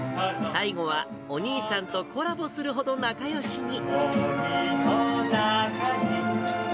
最後はお兄さんとコラボするほど仲よしに。